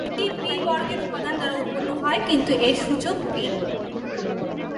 এটি "পি" বর্গের উপাদান দ্বারা উত্পন্ন হয়, কিন্তু এর সূচক "পি"।